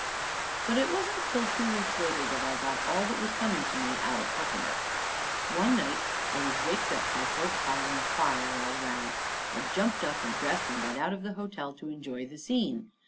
But it wasn't till two weeks later that I got all that was coming to me out of Herkimer. One night I was waked up by folks hollering "Fire!" all around. I jumped up and dressed and went out of the hotel to enjoy the scene.